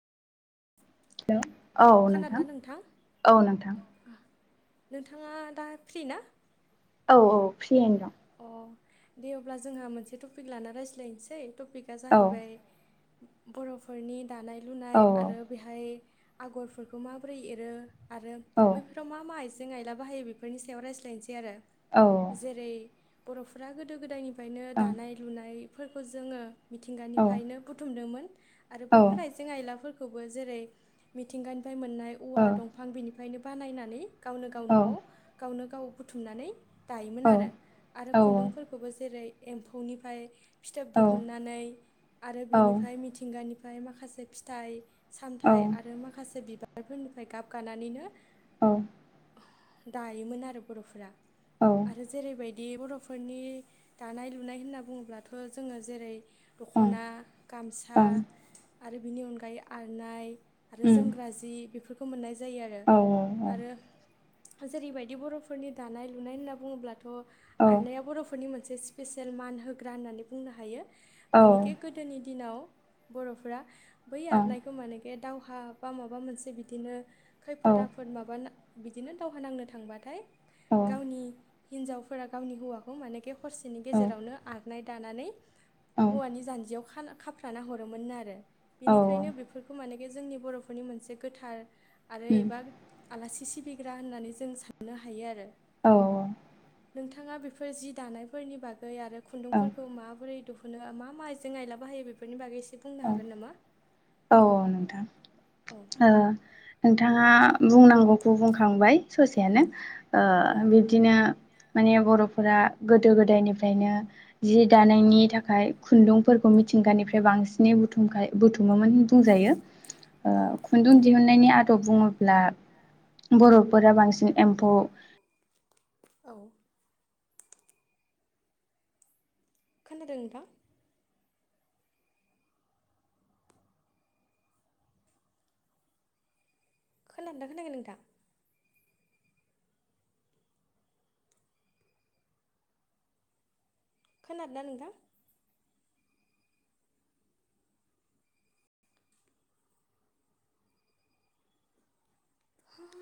Hello औ खोनादोंना नोंथां औ नोंथां नोंथांङा दा फ्रि ना? औ औ फ्रियैनो दं अ दे अब्ला जोंहा मोनसे टपिक लाना रायज्लायनोसै टपिकआ दं जाहैबाय बर'फोरनि दानाय लुनाय औ आरो बेहाय आगरफोरखौ माबोरै एरो आरो औ बैफोराव मा मा आइजें जों आइला बाहायो बेफोरनि सायाव रायज्लायनोसै आरो औ जेरै बर'फोरा गोदो गोदायनि खायनो दानाय लुनायफोरखौ जोङो ओं मिथिंगानिफ्रायनो बुथुमदोंमोन आरो औ बैफोर आइजें आयलाफोरखौबो जेरै मिथिंगानि फ्राइ मोननाय औ औवा दंफां बेनिफ्रायनो बानायनानै गावनो गाव औ न'आव गावनो गाव बुथुमनानै दायोमोन औ आरो आरो खुन्दुंफोरखौबो जेरै एम्फौनिफ्राय फिथोब औ दिहुननानै आरो बिनिफ्राय मिथिंगानिफ्राय माखासे फिथाइ औ सामथायाइ आरो माखासे बिबार फोरनिफ्राय गाब गानानैनो औ दायोमोन आरो बर'फोरा आरो जेरै बायदि दि बर'फोरनि दानाय लुनाय होनना बुङोब्लाथ' जोङो जेरै दख'ना ओं गामसा आरो बिनि अनगायै आरनाइ आरो उम जोमग्रा जि बेफोरखौ मोननाय जायो आरो औ आरो जेरै बायदि बर'फोरनि दानाय लुनाय होनना बुङोब्लाथ' औ आरनाया बर'फोरनि मोनसे स्पेसियल मान होग्रा होननानै बुंनो हायो औ माने ओं खे गोदोनि दिनाव बर'फ्रा बै औ आरगनायखौ माने खे दावहा बा माबा मोनसे बिदिनो औ खैफोद आफोद माबा बिदिनो दावहा नांनो थांबाथाय औ गावनि हिन्जावफोरा गावनि हौवाखौ माने खि हरसेनि औ गेजेरावनो आग खारनाय दानानै औ उम हौवानि जान्जियाव खाना खाफ्राना हरोमोन आरो औ बिनिखायनो बेफोरखौ मानेखि जोंनि बर'फोरनि मोनसे गोथार आरो एबा आलासि सिबिग्रा होननानै जों साननो हायो आरो औ नोंथाङा बेफोर जि दानायफोरनि बागै आरो औ खुन्दुंफोरखौ माबोरै दुहु बेखौनो मा मा आइजें आइला बाहायो बेफोरनि बागै एसे बुंनो औ हागोन नामा? औ नोंथां औ ओ नोंथाङा बुंनांगौखौ बुंखांबाय ससेयानो ओ औ बिब्दिनो माने बर'फोरा गोदो गोदायनिफ्रायनो जि दानायनि थाखाय खुन्दुंफोरखौ मिथि मिथिंगानिफ्राय बांसिनै बुथुम बुथुमोमोन बुंजायो औ खुन्दुं दिहुननायनि आदब बुङोब्ला बर'फोरा बांसिन एम्फौ औ खोनादों नोंथां? खोनादोंना खोनायाखै‌ नोंथां? खोनादों ना नोंथां? [inaudible]